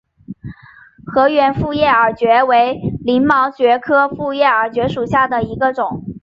河源复叶耳蕨为鳞毛蕨科复叶耳蕨属下的一个种。